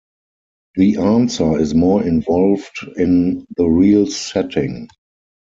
The answer is more involved in the real setting.